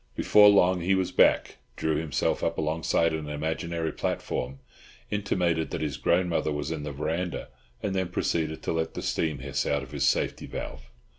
Before long he was back, drew himself up alongside an imaginary platform, intimated that his grandmother was in the verandah, and then proceeded to let the steam hiss out of his safety valve.